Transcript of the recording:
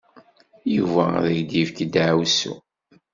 Yuba ad ak-yefk ddeɛwessu.